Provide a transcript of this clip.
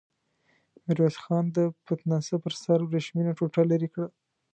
ميرويس خان د پتناسه پر سر ورېښمينه ټوټه ليرې کړه.